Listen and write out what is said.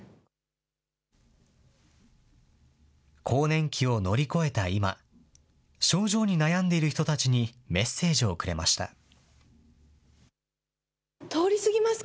更年期を乗り越えた今、症状に悩んでいる人たちにメッセージをくれました。